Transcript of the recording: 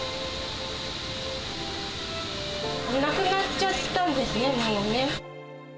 亡くなっちゃったんですね、もうね。